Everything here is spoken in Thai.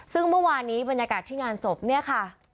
ซึ่งเมื่อวานนี้บรรยากาศที่งานศพเนี่ยค่ะ